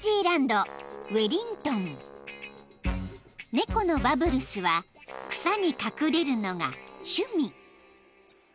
［猫のバブルスは草に隠れるのが趣味］